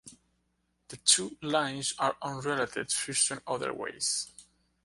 The two lines are unrelated systems otherwise.